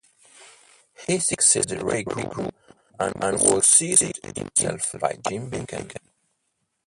He succeeded Ray Groom and was succeeded himself by Jim Bacon.